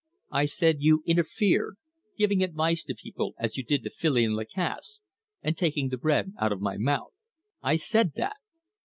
I said you interfered giving advice to people, as you did to Filion Lacasse, and taking the bread out of my mouth. I said that!"